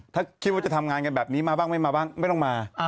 ถ้าคิดว่าจะทำงานกันแบบนี้มาบ้างไม่มาบ้างไม่ต้องมา